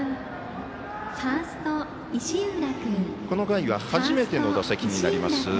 この回は初めての打席になります